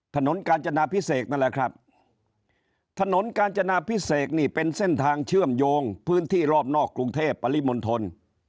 ถนนกาญจนาพิเศษนั่นแหละครับถนนกาญจนาพิเศษนี่เป็นเส้นทางเชื่อมโยงพื้นที่รอบนอกกรุงเทพปริมณฑล